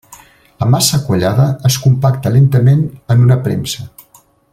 La massa quallada es compacta lentament en una premsa.